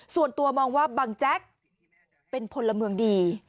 ส่วนตัวมองว่าบังแจ๊กเป็นพลเมืองดี